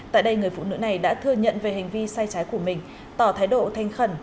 tại đây người phụ nữ này đã thừa nhận về hành vi sai trái của mình tỏ thái độ thanh khẩn